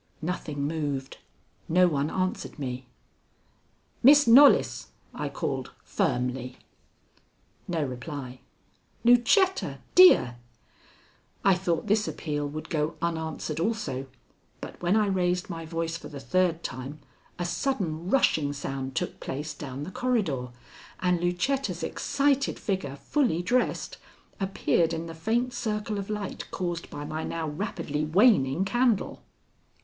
Nothing moved. No one answered me. "Miss Knollys!" I called firmly. No reply. "Lucetta, dear!" I thought this appeal would go unanswered also, but when I raised my voice for the third time, a sudden rushing sound took place down the corridor, and Lucetta's excited figure, fully dressed, appeared in the faint circle of light caused by my now rapidly waning candle.